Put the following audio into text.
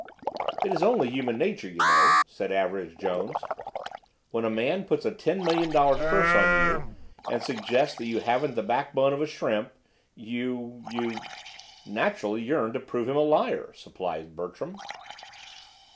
"It's only human nature, you know," said Average Jones. "When a man puts a ten million dollar curse on you and suggests that you haven't the backbone of a shrimp, you—you—" "—naturally yearn to prove him a liar," supplied Bertram.